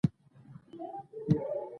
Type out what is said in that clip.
له دې پله همکاري شونې کېږي.